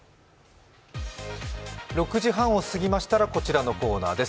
６時半を過ぎましたら、こちらのコーナーです。